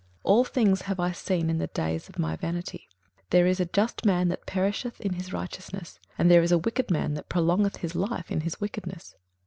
21:007:015 All things have I seen in the days of my vanity: there is a just man that perisheth in his righteousness, and there is a wicked man that prolongeth his life in his wickedness.